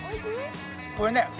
これね